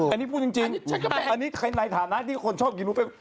อันนี้พูดจริงในฐานะที่คนชอบกินบุฟเฟ่